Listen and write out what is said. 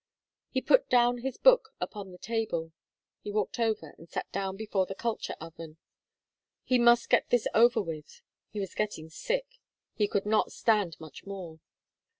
He put his book down upon the table. He walked over and sat down before the culture oven. He must get this over with! He was getting sick. He could not stand much more.